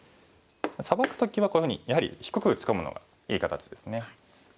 サバく時はこういうふうにやはり低く打ち込むのがいい形ですね。